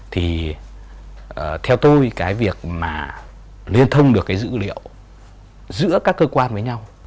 thì theo tôi cái việc mà liên thông được cái dữ liệu giữa các cơ quan với nhau